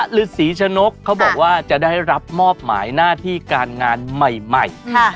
ฤษีชะนกเขาบอกว่าจะได้รับมอบหมายหน้าที่การงานใหม่